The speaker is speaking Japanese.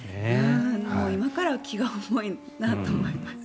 今から気が重いなと思います。